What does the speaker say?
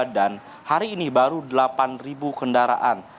dan hari ini baru delapan kendaraan